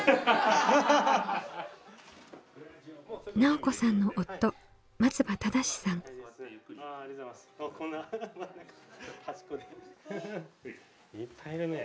奈緒子さんの夫いっぱいいるね。